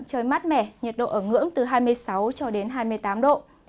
trời mát mẻ nhiệt độ ở ngưỡng từ hai mươi sáu cho đến hai mươi tám độ